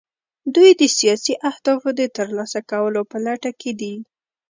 دوی د سیاسي اهدافو د ترلاسه کولو په لټه کې دي